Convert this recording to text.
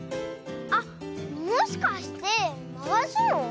あっもしかしてまわすの？